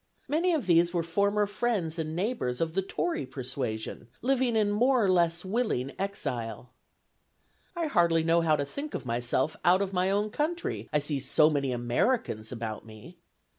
Many of these were former friends and neighbors of the Tory persuasion, living in more or less willing exile. "I hardly know how to think myself out of my own country, I see so many Americans about me."